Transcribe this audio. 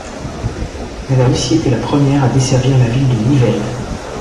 Elle a aussi été la première à desservir la ville de Nivelles.